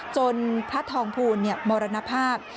จนพระทองภูณิมรณภาพ